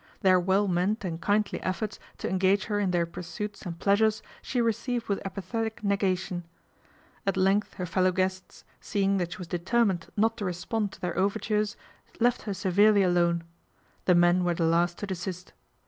Their well meant and kindly efforts to engage her in their pursuits and pleasures she received with apathetic nega tion. At length her fellow guests, seeing that she was determined not to respond to their over tures, left her severely alone. The men were the last to desist.